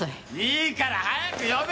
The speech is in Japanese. いいから早く呼べ！